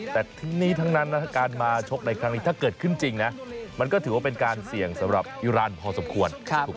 แต่ทั้งนี้ทั้งนั้นการมาชกในครั้งนี้ถ้าเกิดขึ้นจริงนะมันก็ถือว่าเป็นการเสี่ยงสำหรับอิราณพอสมควร